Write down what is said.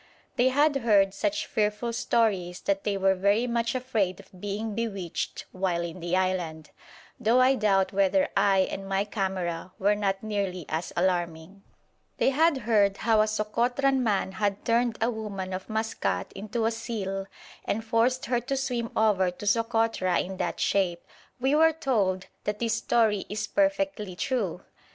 They had heard such fearful stories that they were very much afraid of being bewitched while in the island, though I doubt whether I and my camera were not nearly as alarming. They had heard how a Sokotran man had turned a woman of Maskat into a seal and forced her to swim over to Sokotra in that shape. We were told that this story is perfectly true!